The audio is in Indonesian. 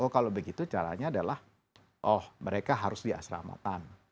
kalau begitu caranya adalah oh mereka harus di asramakan